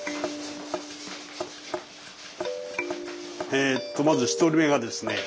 えっとまず１人目がですね